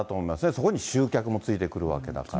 そこに集客もついてくるわけだから。